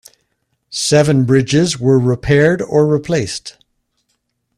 Seven bridges were repaired or replaced.